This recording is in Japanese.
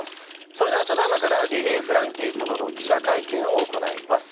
それではただいまからリリー・フランキー様の記者会見を行います。